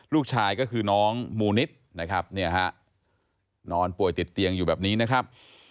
ลูกชายก็คือน้องมูนิดนะครับเนี่ยฮะนอนป่วยติดเตียงอยู่แบบนี้นะครับ